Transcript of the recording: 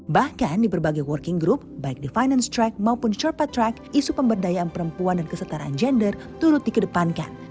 bahkan di berbagai working group baik di finance track maupun shorpa track isu pemberdayaan perempuan dan kesetaraan gender turut dikedepankan